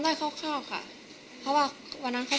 ผู้ที่เก็บข้องในเรื่องของรอตเตอรี่โดนถ่ายและเก็บราก